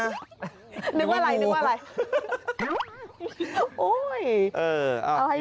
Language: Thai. นึกว่าอะไร